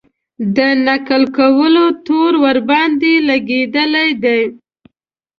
د نقل کولو تور ورباندې لګېدلی دی.